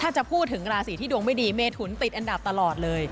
ถ้าจะพูดถึงราศีที่ดวงไม่ดีเมถุนติดอันดับตลอดเลย